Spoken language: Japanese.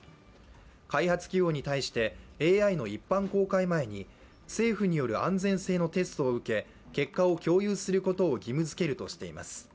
開発企業に対して、ＡＩの一般公開前に政府による安全性のテストを受け、結果を共有することを義務づけるとしています